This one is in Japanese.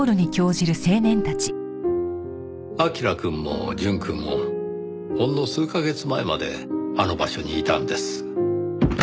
彬くんも淳くんもほんの数カ月前まであの場所にいたんです。